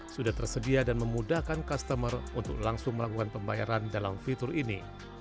sudah tersedia dan memudahkan customer untuk langsung melakukan pembayaran dalam fitur ini